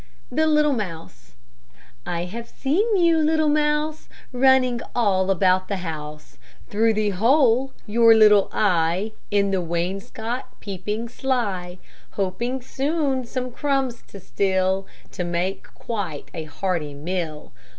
THE LITTLE MOUSE I have seen you, little mouse, Running all about the house, Through the hole your little eye In the wainscot peeping sly, Hoping soon some crumbs to steal, To make quite a hearty meal.